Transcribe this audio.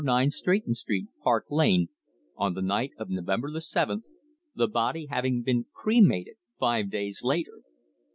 9 Stretton Street, Park Lane, on the night of November the Seventh, the body having been cremated five days later!